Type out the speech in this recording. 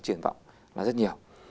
truyền vọng là rất nhiều